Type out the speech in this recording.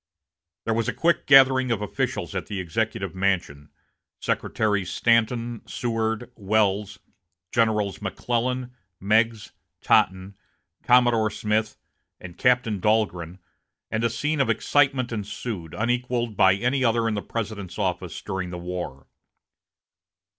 There was a quick gathering of officials at the Executive Mansion Secretaries Stanton, Seward, Welles, Generals McClellan, Meigs, Totten, Commodore Smith, and Captain Dahlgren and a scene of excitement ensued, unequaled by any other in the President's office during the war.